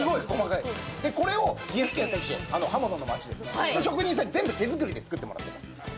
これを岐阜県関市の職人さんに全部手作りで作ってもらってます。